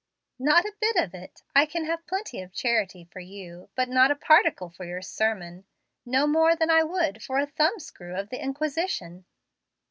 "Not a bit of it. I can have plenty of charity for you, but hot a particle for your sermon, no more than I would for a thumb screw of the Inquisition."